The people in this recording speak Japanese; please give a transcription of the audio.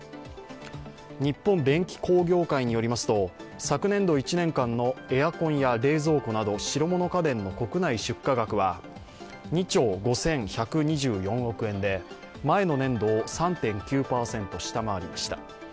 日本電気工業会によりますと昨年度１年間のエアコンや冷蔵庫など白物家電の国内出荷額は、２兆５１２４億円で、前の年度を３．９％下回りました。